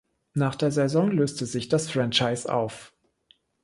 Nach der Saison löste sich das Franchise auf.